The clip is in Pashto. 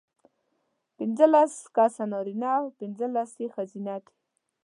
پینځلس کسه نارینه او پینځلس یې ښځینه دي.